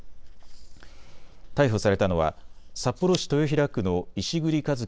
逮捕されたのは札幌市豊平区の石栗一樹